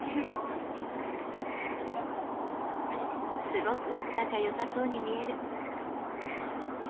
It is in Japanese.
すごく仲良さそうに見える。